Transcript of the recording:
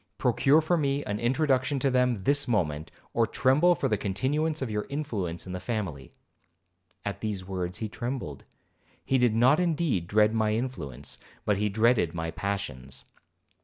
Procure for me an introduction to them this moment, or tremble for the continuance of your influence in the family.' At these words he trembled. He did not indeed dread my influence, but he dreaded my passions.